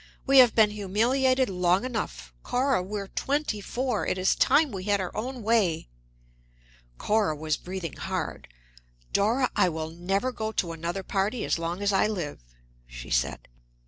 "We have been humiliated long enough. Cora, we're twenty four; it is time we had our own way." Cora was breathing hard. "Dora, I will never go to another party as long as I live," she said.